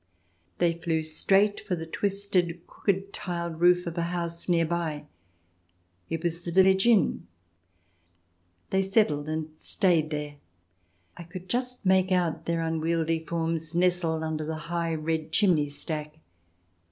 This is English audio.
They flew straight for the twisted, crooked tiled roof of a house near by. It was the village inn. They settled and stayed there; I could just make out their unwieldy forms nestled under a high red chimney stack.